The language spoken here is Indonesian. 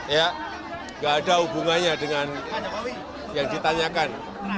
ya nggak ada hubungannya dengan yang ditanyakan